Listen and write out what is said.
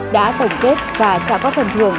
đã tổng kết và trả góp phần thường